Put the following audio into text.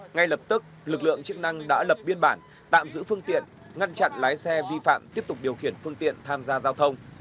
ngay lập tức lực lượng chức năng đã lập biên bản tạm giữ phương tiện ngăn chặn lái xe vi phạm tiếp tục điều khiển phương tiện tham gia giao thông